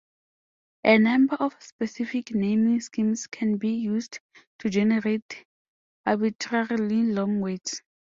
A number of scientific naming schemes can be used to generate arbitrarily long words.